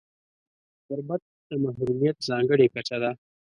غربت د محرومیت ځانګړې کچه ده.